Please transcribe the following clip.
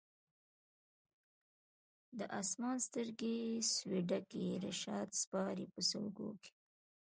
د اسمان سترګي سوې ډکي رشاد سپاري په سلګو کي